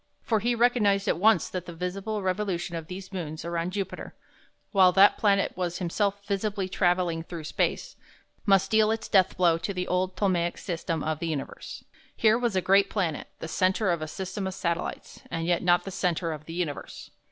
For he recognized at once that the visible revolution of these moons around Jupiter, while that planet was himself visibly travelling through space, must deal its death blow to the old Ptolemaic system of the universe. Here was a great planet, the centre of a system of satellites, and yet not the centre of the universe.